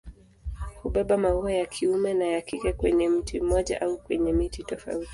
Hubeba maua ya kiume na ya kike kwenye mti mmoja au kwenye miti tofauti.